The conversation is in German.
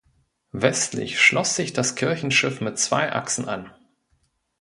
Westlich schloss sich das Kirchenschiff mit zwei Achsen an.